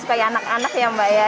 supaya anak anak ya mbak ya